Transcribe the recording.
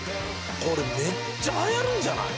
これめっちゃ流行るんじゃない？